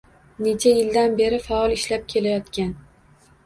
Necha yildan beri faol ishlab kelayotgan